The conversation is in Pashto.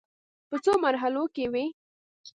په څو مرحلو کې وې.